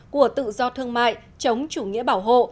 của tự do thương mại chống chủ nghĩa bảo hộ